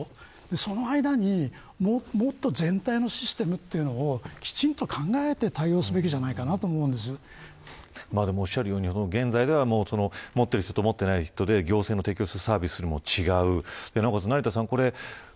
その間にもっと全体のシステムをきちんと考えて対応すべきじゃないかなとおっしゃるように、現在では持っている人と持っていない人で行政の提供するサービスも違う。